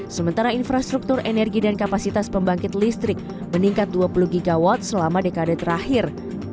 sementara infrastruktur energi dan kapasitas pembangkit listrik meningkat dua puluh gigawatt selama dekade terakhir